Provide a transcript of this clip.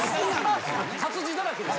・活字だらけです。